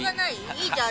いいじゃん